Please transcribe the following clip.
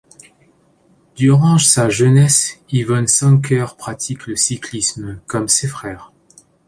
Durant sa jeunesse, Yvon Sanquer pratique le cyclisme, comme ses frères.